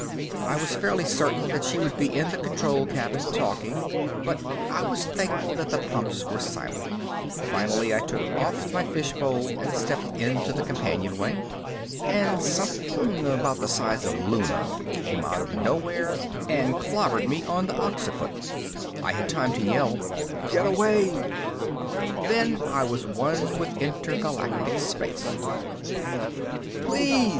I was fairly certain that she would be in the control cabin, talking, but I was thankful that the pumps were silent. Finally, I took off my fishbowl and stepped into the companionway. And something about the size of Luna came out of nowhere and clobbered me on the occiput. I had time to yell, "Get away!" Then I was as one with intergalactic space. _Please!